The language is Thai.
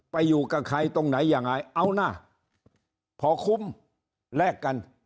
อยู่กับใครตรงไหนยังไงเอานะพอคุ้มแลกกัน